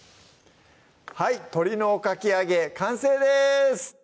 はい「鶏のおかき揚げ」完成です